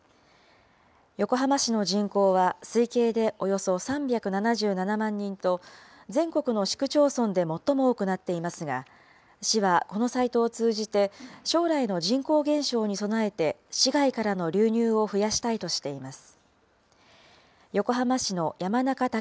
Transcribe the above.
横浜市の人口は推計でおよそ３７７万人と、全国の市区町村で最も多くなっていますが、市はこのサイトを通じて、将来の人口減少に備えて市外からの流入を増やしたいとしています。